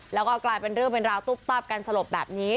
แล้วก็กลายเป็นเรื่องเป็นราวตุ๊บตับกันสลบแบบนี้